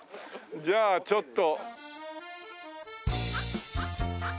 じゃあちょっと。